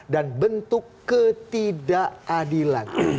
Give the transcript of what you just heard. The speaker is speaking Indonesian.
dan bentuk ketidakadilan